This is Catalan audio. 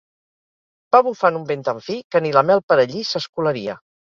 Va bufant un vent tan fi, que ni la mel per allí, s'escolaria.